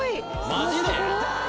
マジで？